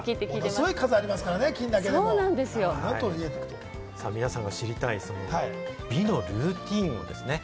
ものすごい数ありますからね、皆さんの知りたい、美のルーティンですね。